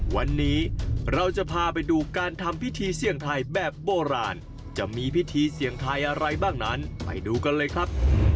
วันนี้เราจะพาไปดูการทำพิธีเสี่ยงทายแบบโบราณจะมีพิธีเสี่ยงทายอะไรบ้างนั้นไปดูกันเลยครับ